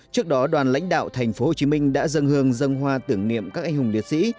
trước đó đoàn lãnh đạo thành phố hồ chí minh đã dâng hương dâng hoa tưởng niệm các anh hùng liệt sĩ